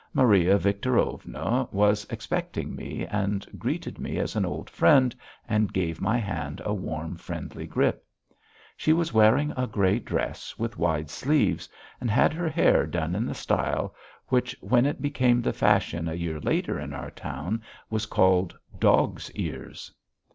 Maria Victorovna was expecting me and greeted me as an old friend and gave my hand a warm, friendly grip. She was wearing a grey dress with wide sleeves, and had her hair done in the style which when it became the fashion a year later in our town, was called "dog's ears."